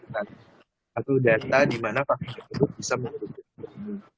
itu data di mana vaksin tersebut bisa menguruskan covid sembilan belas